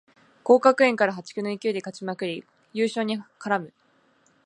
降格圏から破竹の勢いで勝ちまくり優勝に絡む